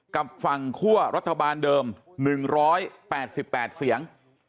กับฝั่งคั่วรัฐบาลเดิม๑๘๘เสียง